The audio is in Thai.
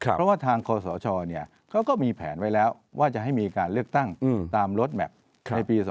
เพราะว่าทางคอสชเขาก็มีแผนไว้แล้วว่าจะให้มีการเลือกตั้งตามรถแมพในปี๒๕